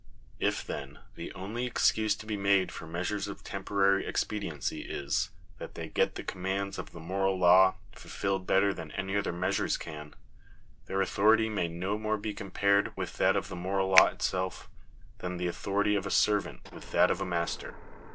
If, then, the only excuse to be made for measures of tem porary expediency is, that they get the commands of the moral law fulfilled better than any other measures can, their authority may no more be compared with that of the moral law itself, than the authority of a servant with that of a master.